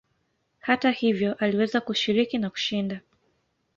Hata hivyo aliweza kushiriki na kushinda.